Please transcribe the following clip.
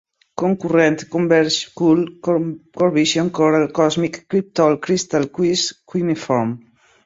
concurrent, converge, cool, corvision, coral, cosmic, cryptol, crystal, cuis, cuneiform